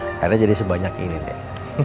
akhirnya jadi sebanyak ini dek